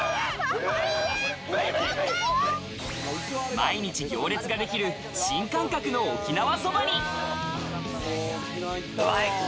毎日行列ができる新感覚の沖縄そばに。